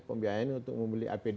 pembiayanya untuk membeli apd